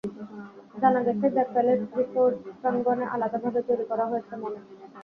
জানা গেছে, the palace resort প্রাঙ্গণে আলাদাভাবে তৈরি করা হয়েছে মঞ্চ।